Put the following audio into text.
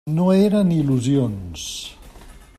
No eren il·lusions.